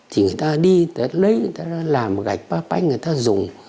thì người ta đi người ta lấy người ta làm gạch ba panh người ta dùng